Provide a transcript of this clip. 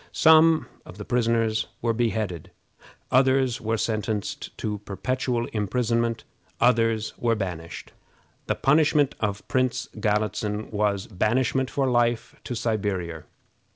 Some of the prisoners were beheaded; others were sentenced to perpetual imprisonment; others were banished. The punishment of Prince Galitzin was banishment for life to Siberia.